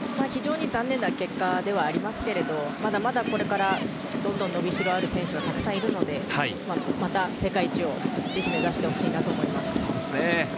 残念な結果ではありますけれど、まだまだこれから伸びしろのある選手がたくさんいるので、また世界一をぜひ目指してほしいと思います。